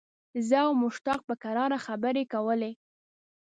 زه او مشتاق په کراره خبرې کولې.